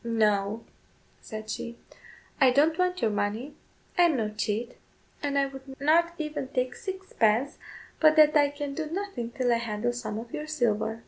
"No," said she, "I don't want your money; I am no cheat, and I would not even take sixpence, but that I can do nothing till I handle some of your silver."